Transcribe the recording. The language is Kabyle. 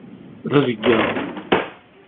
D azeggaɣ.